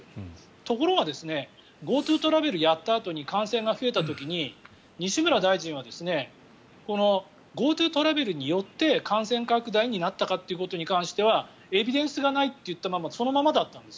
ところがＧｏＴｏトラベルやったあとに感染が増えた時に西村大臣はこのＧｏＴｏトラベルによって感染拡大になったかということに関してはエビデンスがないと言ったままそのままなんです。